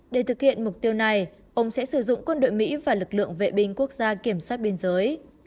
để thực hiện mục tiêu này ông sẽ sử dụng quân đội mỹ và lực lượng vệ binh quốc gia kiểm soát biên giới